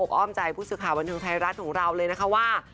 อ้อมใจผู้สื่อข่าวบันเทิงไทยรัฐของเราเลยนะคะว่า